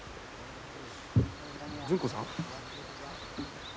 純子さん？